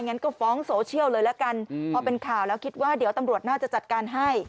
งั้นก็ฟ้องโซเชียลเลยละกันพอเป็นข่าวแล้วคิดว่าเดี๋ยวตำรวจน่าจะจัดการให้